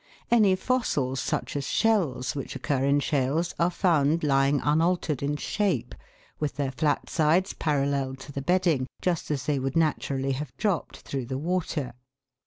Any fossils, such as shells, which occur in shales, are found lying unaltered in shape, with their flat sides parallel to the bedding, just as they would naturally have dropped through the water.